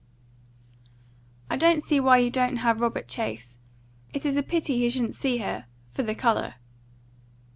"I don't see why you don't have Robert Chase. It is a pity he shouldn't see her for the colour."